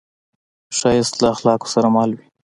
ښایست له اخلاقو سره مل وي